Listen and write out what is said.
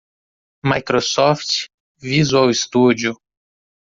Microsoft Visual Studio.